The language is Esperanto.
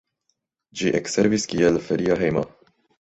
Ĝi ekservis kiel feria hejmo.